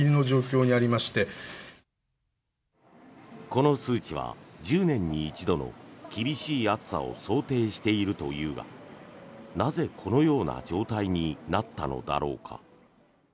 この数値は１０年に一度の厳しい暑さを想定しているというがなぜこのような状態になったのだろうか。